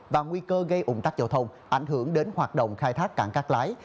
và nguy cơ gây ủng tắc giao thông ảnh hưởng đến hoạt động khai thác cảng cát lái